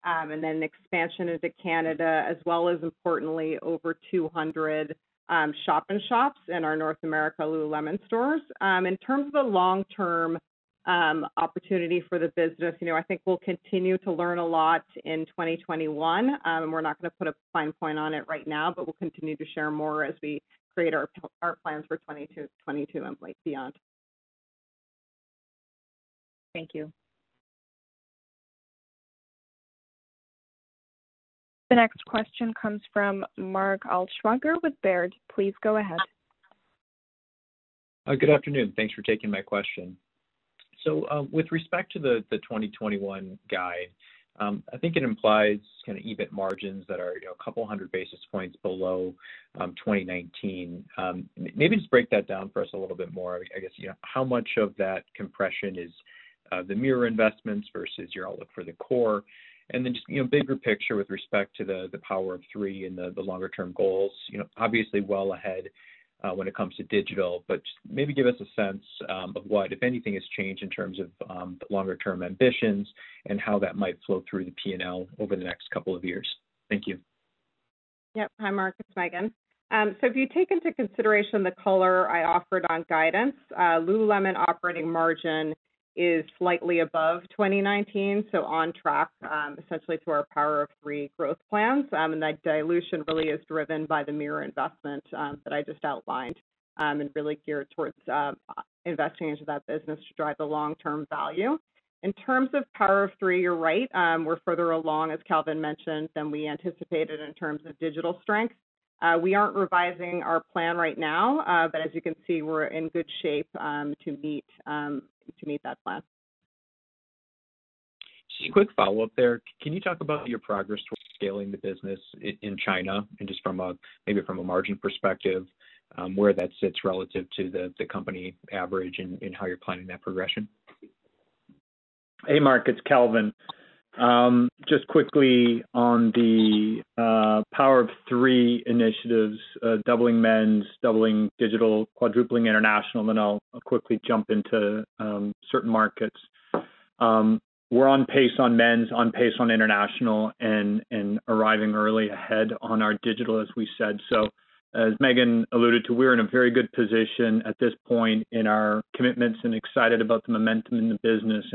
[SPEAKER 5] and then expansion into Canada, as well as, importantly, over 200 shop-in-shops in our North America Lululemon stores. In terms of the long-term opportunity for the business, I think we'll continue to learn a lot in 2021. We're not gonna put a fine point on it right now, but we'll continue to share more as we create our plans for 2022 and beyond.
[SPEAKER 6] Thank you.
[SPEAKER 1] The next question comes from Mark Altschwager with Baird. Please go ahead.
[SPEAKER 7] Good afternoon. Thanks for taking my question. With respect to the 2021 guide, I think it implies kind of EBIT margins that are a couple hundred basis points below 2019. Maybe just break that down for us a little bit more. I guess, how much of that compression is the Mirror investments versus your outlook for the core? Then just bigger picture with respect to the Power of Three and the longer term goals. Obviously well ahead when it comes to digital, but just maybe give us a sense of what, if anything, has changed in terms of the longer term ambitions and how that might flow through the P&L over the next couple of years. Thank you.
[SPEAKER 5] Yep. Hi Mark, it's Meghan. If you take into consideration the color I offered on guidance, Lululemon operating margin is slightly above 2019, so on track, essentially through our Power of Three growth plans. That dilution really is driven by the Mirror investment that I just outlined and really geared towards investing into that business to drive the long-term value. In terms of Power of Three, you're right. We're further along, as Calvin mentioned, than we anticipated in terms of digital strength. We aren't revising our plan right now, but as you can see, we're in good shape to meet that plan.
[SPEAKER 7] Just a quick follow-up there. Can you talk about your progress towards scaling the business in China and just maybe from a margin perspective, where that sits relative to the company average and how you're planning that progression?
[SPEAKER 3] Hey Mark, it's Calvin. Quickly on the Power of Three initiatives, doubling men's, doubling digital, quadrupling international, I'll quickly jump into certain markets. We're on pace on men's, on pace on international, arriving early ahead on our digital, as we said. As Meghan alluded to, we're in a very good position at this point in our commitments and excited about the momentum in the business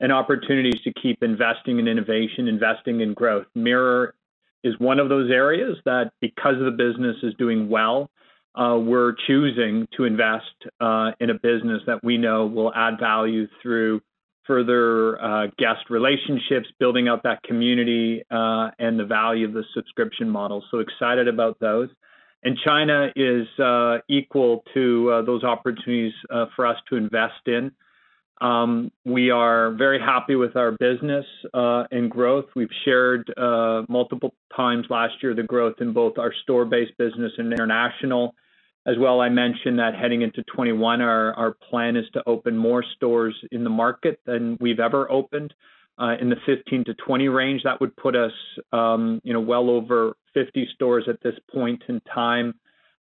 [SPEAKER 3] and opportunities to keep investing in innovation, investing in growth. Mirror is one of those areas that because the business is doing well, we're choosing to invest in a business that we know will add value through further guest relationships, building out that community, and the value of the subscription model. Excited about those. China is equal to those opportunities for us to invest in. We are very happy with our business and growth. We've shared multiple times last year the growth in both our store-based business and international. As well, I mentioned that heading into 2021, our plan is to open more stores in the market than we've ever opened, in the 15-20 range. That would put us well over 50 stores at this point in time.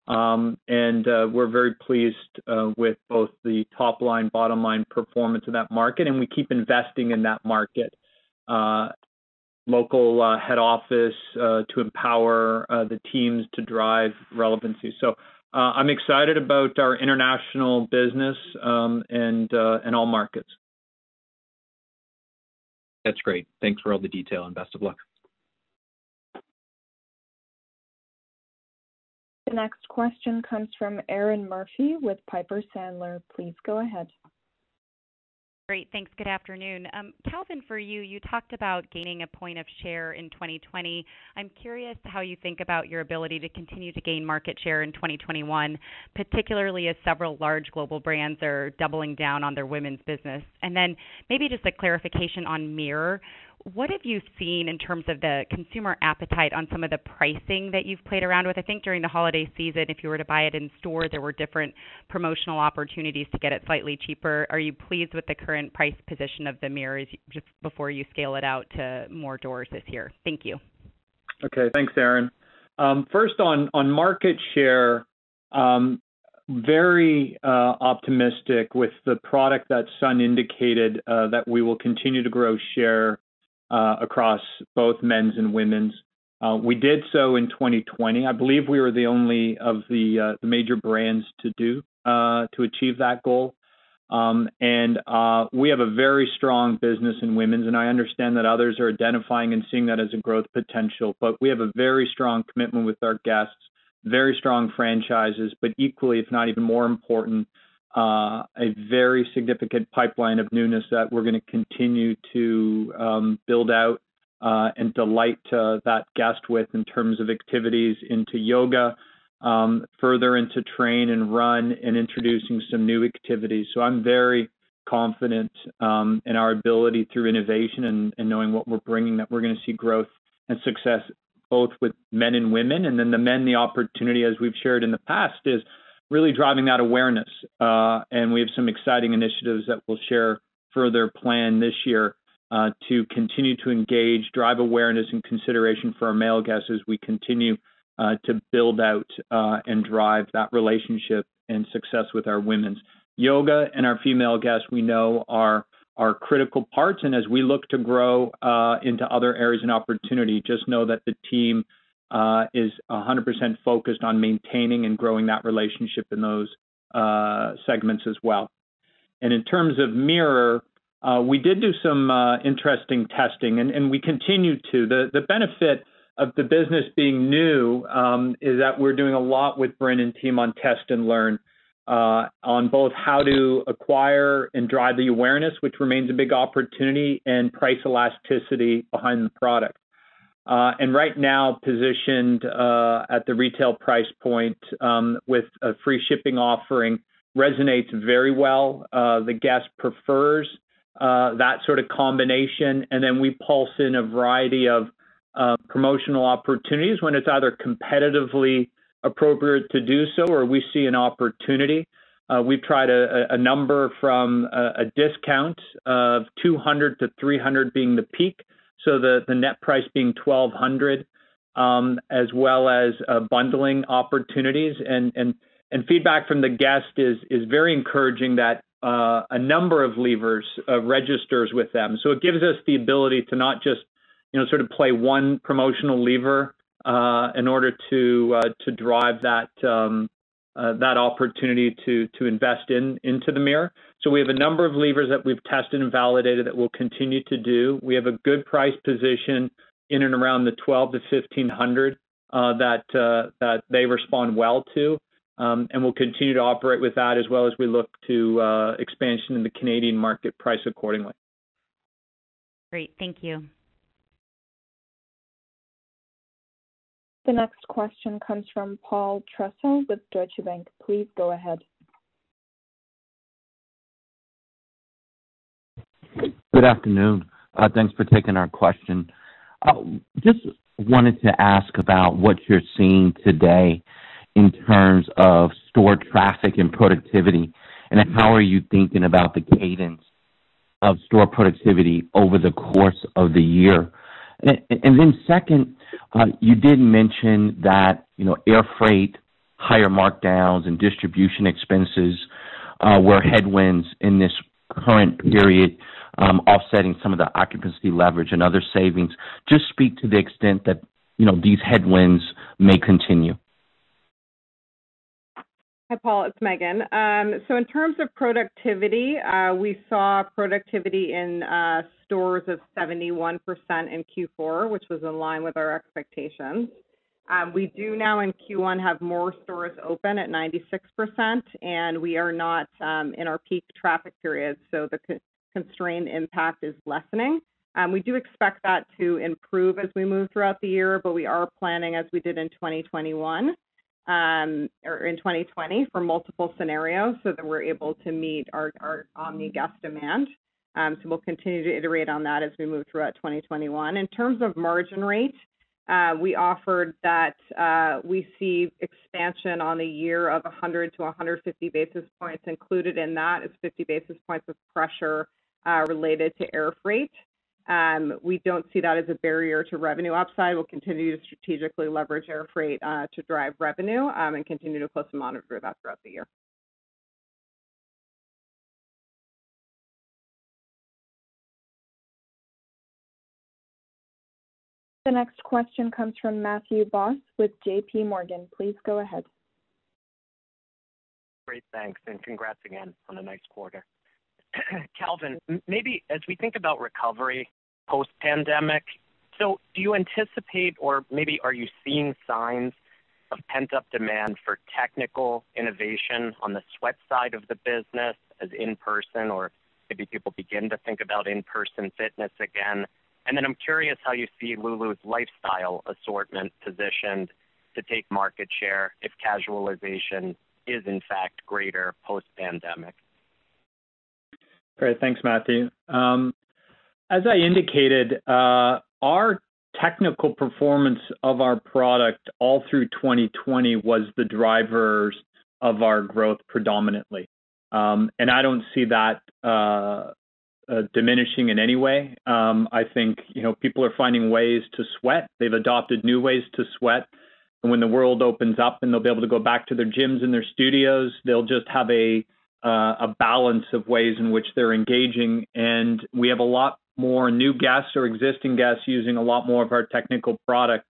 [SPEAKER 3] We're very pleased with both the top line, bottom line performance of that market, and we keep investing in that market. Local head office to empower the teams to drive relevancy. I'm excited about our international business, and all markets.
[SPEAKER 7] That's great. Thanks for all the detail, and best of luck.
[SPEAKER 1] The next question comes from Erinn Murphy with Piper Sandler. Please go ahead.
[SPEAKER 8] Great, thanks. Good afternoon. Calvin, for you talked about gaining a point of share in 2020. I'm curious how you think about your ability to continue to gain market share in 2021, particularly as several large global brands are doubling down on their women's business. Maybe just a clarification on Mirror. What have you seen in terms of the consumer appetite on some of the pricing that you've played around with? I think during the holiday season, if you were to buy it in store, there were different promotional opportunities to get it slightly cheaper. Are you pleased with the current price position of the Mirrors just before you scale it out to more doors this year? Thank you.
[SPEAKER 3] Okay. Thanks, Erinn. First on market share, very optimistic with the product that Sun indicated that we will continue to grow share across both men's and women's. We did so in 2020. I believe we were the only of the major brands to achieve that goal. We have a very strong business in women's, and I understand that others are identifying and seeing that as a growth potential. We have a very strong commitment with our guests, very strong franchises, but equally, if not even more important, a very significant pipeline of newness that we're going to continue to build out, and delight that guest with in terms of activities into yoga, further into train and run and introducing some new activities. I'm very confident in our ability through innovation and knowing what we're bringing, that we're going to see growth and success both with men and women. The men, the opportunity, as we've shared in the past, is really driving that awareness. We have some exciting initiatives that we'll share further plan this year, to continue to engage, drive awareness and consideration for our male guests as we continue to build out and drive that relationship and success with our women's. Yoga and our female guests we know are critical parts, and as we look to grow into other areas and opportunity, just know that the team is 100% focused on maintaining and growing that relationship in those segments as well. In terms of Mirror, we did do some interesting testing, and we continue to. The benefit of the business being new, is that we're doing a lot with Brynn and team on test and learn, on both how to acquire and drive the awareness, which remains a big opportunity and price elasticity behind the product. Right now, positioned at the retail price point with a free shipping offering resonates very well. The guest prefers that sort of combination, and then we pulse in a variety of promotional opportunities when it's either competitively appropriate to do so, or we see an opportunity. We've tried a number from a discount of $200-$300 being the peak, so the net price being $1,200, as well as bundling opportunities. Feedback from the guest is very encouraging that a number of levers registers with them. It gives us the ability to not just play one promotional lever, in order to drive that opportunity to invest into the Mirror. We have a number of levers that we've tested and validated that we'll continue to do. We have a good price position in and around the $1,200-$1,500 that they respond well to. We'll continue to operate with that as well as we look to expansion in the Canadian market price accordingly.
[SPEAKER 8] Great. Thank you.
[SPEAKER 1] The next question comes from Paul Trussell with Deutsche Bank. Please go ahead.
[SPEAKER 9] Good afternoon. Thanks for taking our question. Just wanted to ask about what you're seeing today in terms of store traffic and productivity. How are you thinking about the cadence of store productivity over the course of the year? Second, you did mention that air freight, higher markdowns, and distribution expenses were headwinds in this current period, offsetting some of the occupancy leverage and other savings. Just speak to the extent that these headwinds may continue.
[SPEAKER 5] Hi, Paul, it's Meghan. In terms of productivity, we saw productivity in stores of 71% in Q4, which was in line with our expectations. We do now in Q1 have more stores open at 96%, and we are not in our peak traffic periods, so the constrained impact is lessening. We do expect that to improve as we move throughout the year, but we are planning, as we did in 2020, for multiple scenarios so that we're able to meet our omni guest demand. We'll continue to iterate on that as we move throughout 2021. In terms of margin rate, we offered that we see expansion on the year of 100 to 150 basis points. Included in that is 50 basis points of pressure related to air freight. We don't see that as a barrier to revenue upside. We'll continue to strategically leverage air freight to drive revenue, and continue to closely monitor that throughout the year.
[SPEAKER 1] The next question comes from Matthew Boss with JPMorgan. Please go ahead.
[SPEAKER 10] Great. Thanks. Congrats again on a nice quarter. Calvin, maybe as we think about recovery post-pandemic, do you anticipate or maybe are you seeing signs of pent-up demand for technical innovation on the sweat side of the business as in-person or maybe people begin to think about in-person fitness again? I'm curious how you see Lulu's lifestyle assortment positioned to take market share if casualization is in fact greater post-pandemic.
[SPEAKER 3] Great. Thanks, Matthew. As I indicated, our technical performance of our product all through 2020 was the drivers of our growth predominantly. I don't see that diminishing in any way. I think people are finding ways to sweat. They've adopted new ways to sweat. When the world opens up and they'll be able to go back to their gyms and their studios, they'll just have a balance of ways in which they're engaging, and we have a lot more new guests or existing guests using a lot more of our technical product,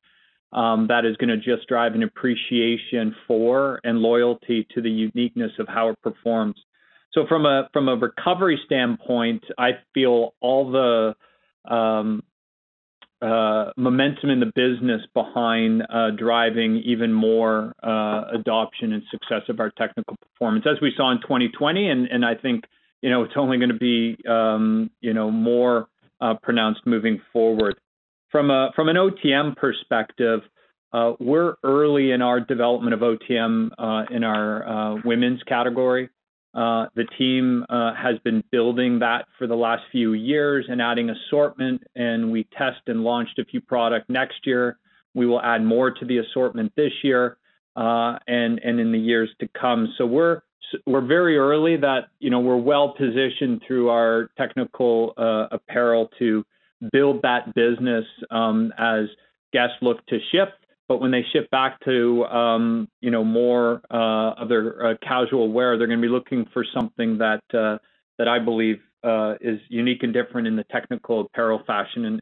[SPEAKER 3] that is going to just drive an appreciation for and loyalty to the uniqueness of how it performs. From a recovery standpoint, I feel all the momentum in the business behind driving even more adoption and success of our technical performance, as we saw in 2020. I think it's only going to be more pronounced moving forward. From an OTM perspective, we're early in our development of OTM in our women's category. The team has been building that for the last few years and adding assortment, and we test and launched a few product next year. We will add more to the assortment this year, and in the years to come. We're very early that we're well-positioned through our technical apparel to build that business as guests look to shift. When they shift back to more of their casual wear, they're going to be looking for something that I believe is unique and different in the technical apparel fashion.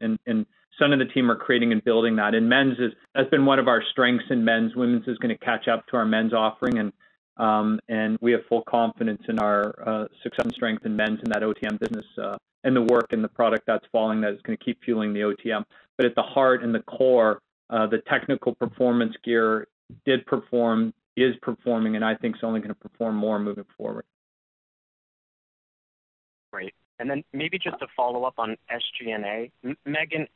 [SPEAKER 3] Some of the team are creating and building that. In men's, that's been one of our strengths in men's. Women's is going to catch up to our men's offering. We have full confidence in our success strength in men's in that OTM business. The work and the product that's falling is going to keep fueling the OTM. At the heart and the core, the technical performance gear did perform, is performing, and I think it's only going to perform more moving forward.
[SPEAKER 10] Great. Maybe just a follow-up on SG&A. Meghan,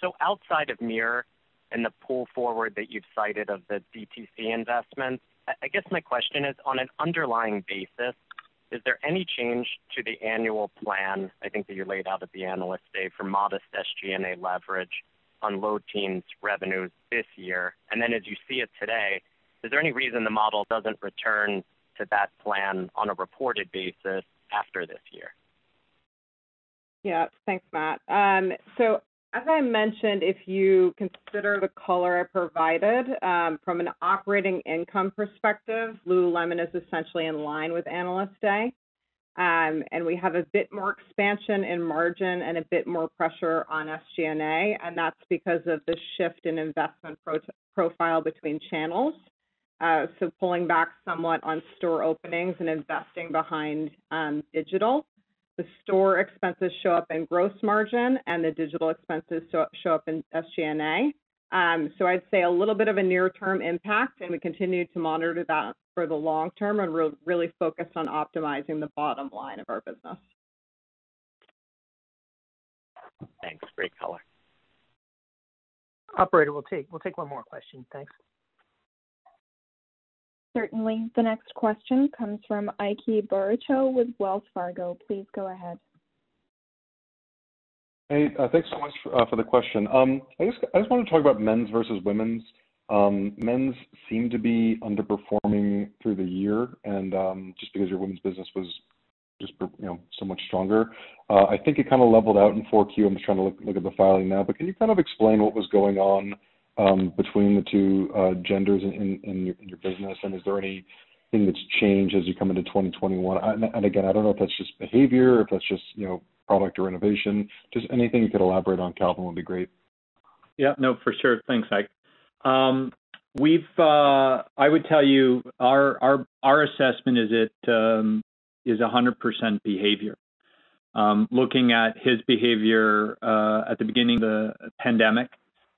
[SPEAKER 10] so outside of Mirror and the pull forward that you've cited of the DTC investments, I guess my question is, on an underlying basis, is there any change to the annual plan, I think, that you laid out at the Analyst Day for modest SG&A leverage on low teens revenues this year? As you see it today, is there any reason the model doesn't return to that plan on a reported basis after this year?
[SPEAKER 5] Yeah. Thanks, Matt. As I mentioned, if you consider the color I provided, from an operating income perspective, Lululemon is essentially in line with Analyst Day. We have a bit more expansion in margin and a bit more pressure on SG&A, and that's because of the shift in investment profile between channels. Pulling back somewhat on store openings and investing behind digital. The store expenses show up in gross margin and the digital expenses show up in SG&A. I'd say a little bit of a near term impact, and we continue to monitor that for the long term and really focused on optimizing the bottom line of our business.
[SPEAKER 10] Thanks. Great color.
[SPEAKER 3] Operator, we'll take one more question. Thanks.
[SPEAKER 1] Certainly. The next question comes from Ike Boruchow with Wells Fargo. Please go ahead.
[SPEAKER 11] Hey, thanks so much for the question. I just want to talk about men's versus women's. Men's seemed to be underperforming through the year, and just because your women's business was just so much stronger. I think it kind of leveled out in Q4. I'm just trying to look at the filing now. Can you kind of explain what was going on between the two genders in your business, and is there anything that's changed as you come into 2021? Again, I don't know if that's just behavior or if that's just product or innovation. Just anything you could elaborate on, Calvin, would be great.
[SPEAKER 3] Yeah, no, for sure. Thanks, Ike. I would tell you, our assessment is it is 100% behavior. Looking at his behavior, at the beginning of the pandemic,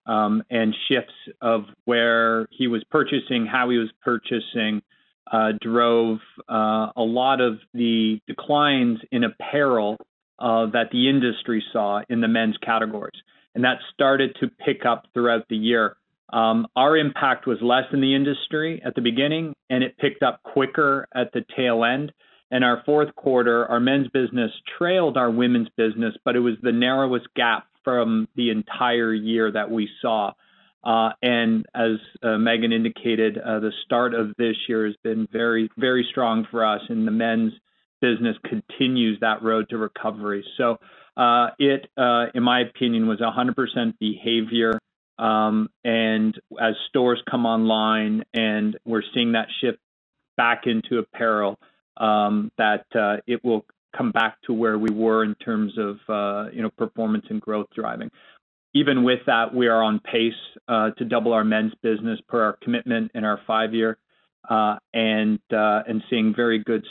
[SPEAKER 3] and shifts of where he was purchasing, how he was purchasing, drove a lot of the declines in apparel that the industry saw in the men's categories. That started to pick up throughout the year. Our impact was less than the industry at the beginning, and it picked up quicker at the tail end. In our fourth quarter, our men's business trailed our women's business, but it was the narrowest gap from the entire year that we saw. As Meghan indicated, the start of this year has been very strong for us, and the men's business continues that road to recovery. It, in my opinion, was 100% behavior. As stores come online and we're seeing that shift back into apparel, that it will come back to where we were in terms of performance and growth driving. Even with that, we are on pace to double our men's business per our commitment in our five-year, and seeing very good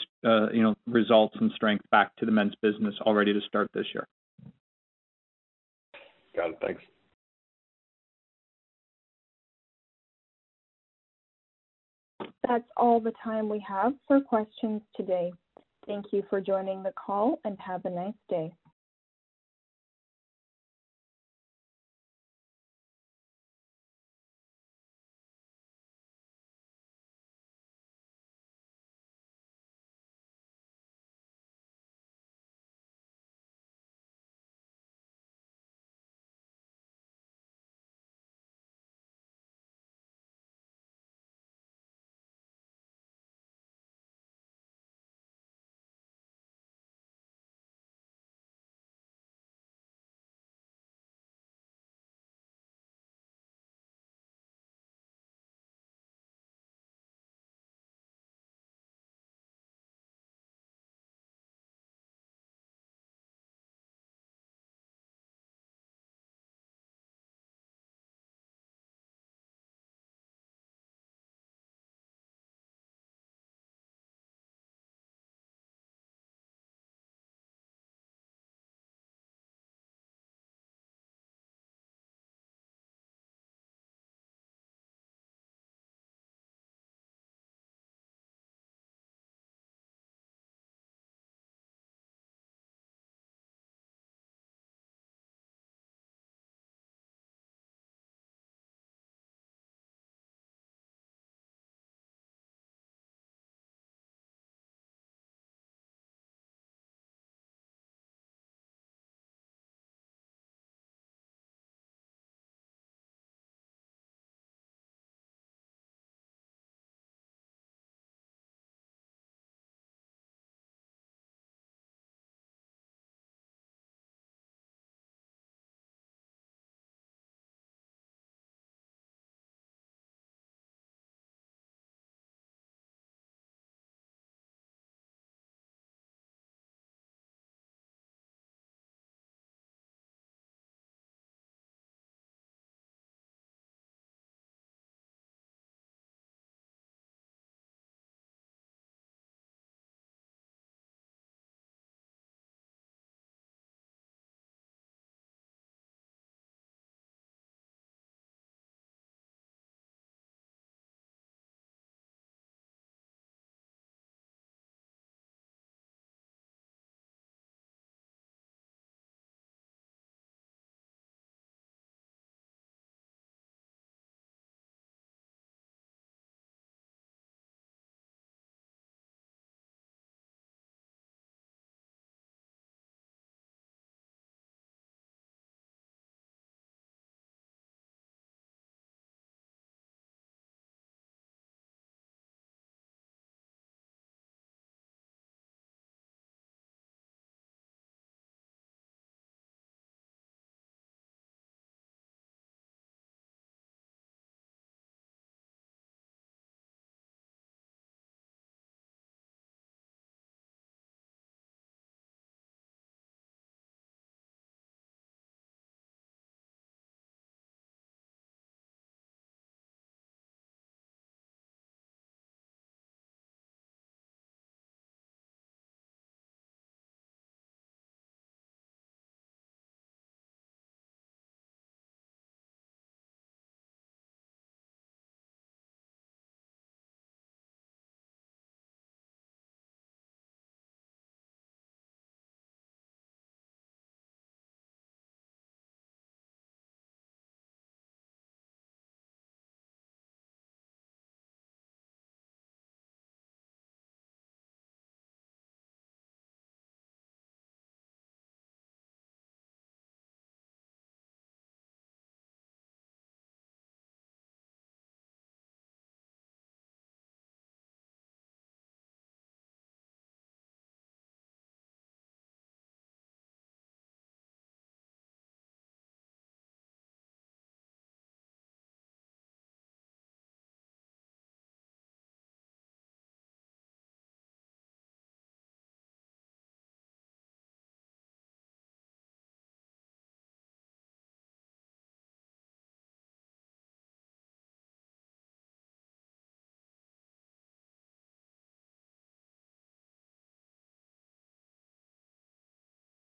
[SPEAKER 3] results and strength back to the men's business already to start this year.
[SPEAKER 11] Got it. Thanks.
[SPEAKER 1] That's all the time we have for questions today. Thank you for joining the call, and have a nice day.